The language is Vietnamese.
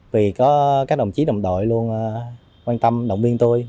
vì có các đồng chí đồng đội luôn quan tâm động viên tôi